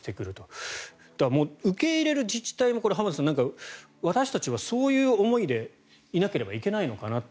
浜田さん受け入れる自治体も私たちはそういう思いでいなければいけないのかなと。